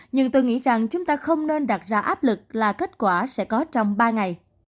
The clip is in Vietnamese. nhưng tôi nghĩ rằng chúng ta không nên đặt ra áp lực là kết quả sẽ có trong ba ngày